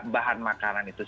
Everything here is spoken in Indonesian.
bahan makanan itu